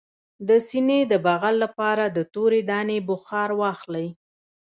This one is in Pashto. د سینې د بغل لپاره د تورې دانې بخار واخلئ